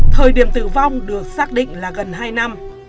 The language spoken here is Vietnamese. thời điểm tử vong được xác định là gần hai năm